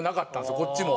こっちも。